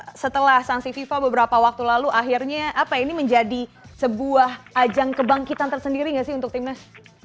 bungkusit ini terkait dengan sanksi fifa beberapa waktu lalu akhirnya ini menjadi sebuah ajang kebangkitan tersendiri nggak sih untuk timnas